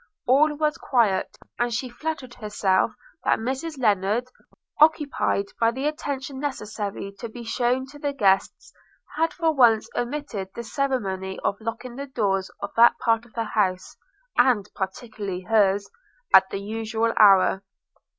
All was quiet; and she flattered herself that Mrs Lennard, occupied by the attention necessary to be shewn to the guests, had for once omitted the ceremony of locking the doors of that part of the house, and particularly hers, at the usual hour.